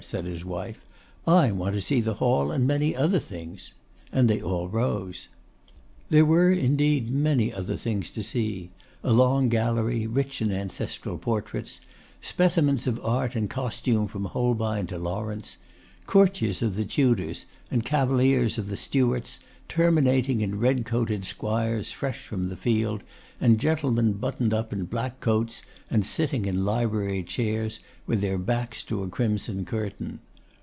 said his wife. 'I want to see the hall and many other things.' And they all rose. There were indeed many other things to see: a long gallery, rich in ancestral portraits, specimens of art and costume from Holbein to Lawrence; courtiers of the Tudors, and cavaliers of the Stuarts, terminating in red coated squires fresh from the field, and gentlemen buttoned up in black coats, and sitting in library chairs, with their backs to a crimson curtain.